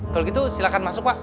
kalau gitu silahkan masuk pak